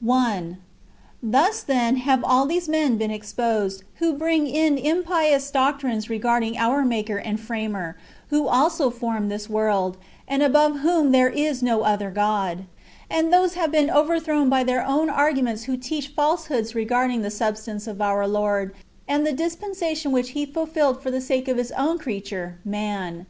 1. Thus, then, have all these men been exposed, who bring in impious doctrines regarding our Maker and Framer, who also formed this world, and above whom there is no other God; and those have been overthrown by their own argu ments who teach falsehoods rec^ardino: the substance of our Lord, and the dispensation which He fulfilled for the sake of His own creature mian.